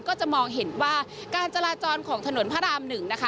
ก็จะมองเห็นว่าการจราจรของถนนพระราม๑นะคะ